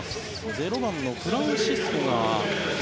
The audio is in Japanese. ０番のフランシスコですね。